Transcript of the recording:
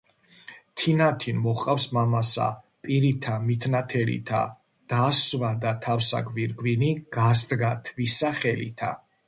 თინათინ მოჰყავს მამასა, პირითა მით ნათელითა, დასვა და თავსა გვირგვინი გასდგა თვისა ხელითა.